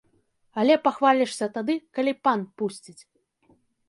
Але пахвалішся тады, калі пан пусціць.